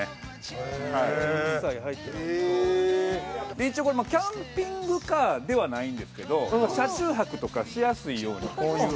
一応これキャンピングカーではないんですけど車中泊とかしやすいようにこういう風になってまして。